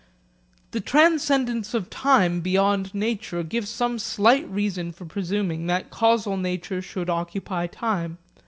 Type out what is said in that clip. The transcendence of time beyond nature gives some slight reason for presuming that causal nature should occupy time.